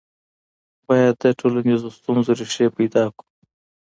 باید د ټولنیزو ستونزو ریښې پیدا کړو.